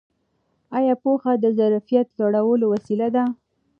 ایا پوهه د ظرفیت لوړولو وسیله ده؟